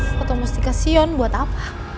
foto mustika sion buat apa